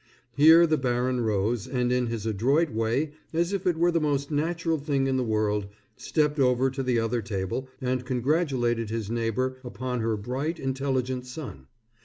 Here the baron rose and in his adroit way, as if it were the most natural thing in the world, stepped over to the other table and congratulated his neighbor upon her bright, intelligent son.